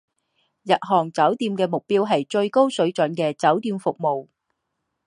日航酒店的目标是最高水准的酒店服务。